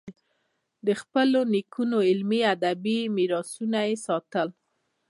د خپلو نیکونو علمي، ادبي میراثونه یې ساتل.